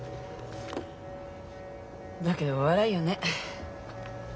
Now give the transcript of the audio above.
だけどお笑いよね。